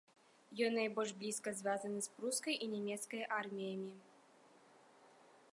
Ён найбольш блізка звязаны з прускай і нямецкай арміямі.